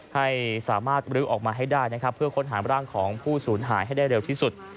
ให้สามารถบรื้อออกมาให้ได้นะครับเพื่อค้นหาร่างของผู้สูญหายให้ได้เร็วที่สุด